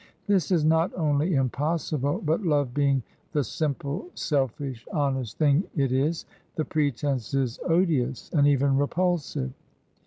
This is not only impossible, but love being the simple, selfish, honest thing it is, the pretence is odious, and even repulsive.